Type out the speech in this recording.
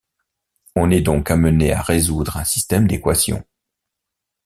On est donc amené à résoudre un système d'équations.